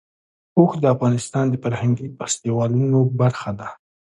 اوښ د افغانستان د فرهنګي فستیوالونو برخه ده.